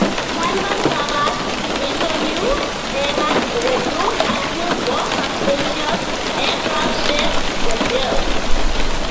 Canvas-covered Bessonneau hangars were used until more substantial aircraft sheds were built.